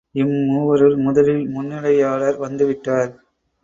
இம்மூவருள், முதலில் முன்னிலையாளர் வந்து விட்டார்.